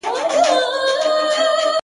سختې نيوکي وکړې هم ډيري سوې،